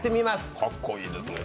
かっこいいですね。